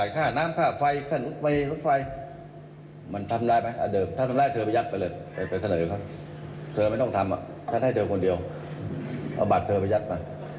เอาบัตรเธอไปยัดก่อน